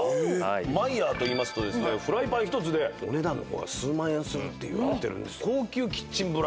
ＭＥＹＥＲといいますとフライパン１つでお値段の方が数万円するっていわれてる。